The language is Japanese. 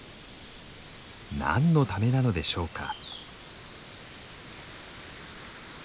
何のためなのでしょうか？